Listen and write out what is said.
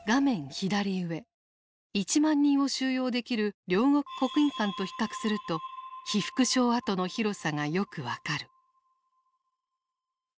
左上１万人を収容できる両国国技館と比較すると被服廠跡の広さがよく分かる。